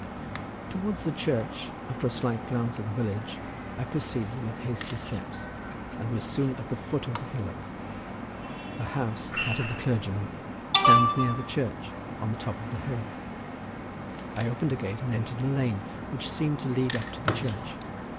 Towards the church, after a slight glance at the village, I proceeded with hasty steps, and was soon at the foot of the hillock. A house, that of the clergyman, stands near the church, on the top of the hill. I opened a gate, and entered a lane which seemed to lead up to the church.